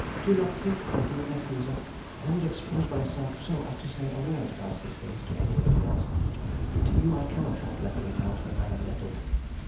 Do not think, my dear nephew, that I would expose myself so as to say a word about these things to anybody else, but to you I cannot help letting it out when I am nettled.